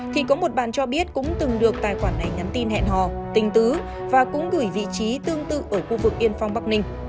thì có một bạn cho biết cũng từng được tài khoản này nhắn tin hẹn hò tình tứ và cũng gửi vị trí tương tự ở khu vực yên phong bắc ninh